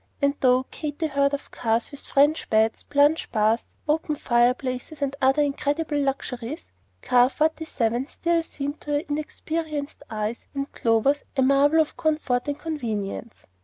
But though Katy heard of cars with French beds, plunge baths, open fireplaces, and other incredible luxuries, Car Forty seven still seemed to her inexperienced eyes and Clover's a marvel of comfort and convenience.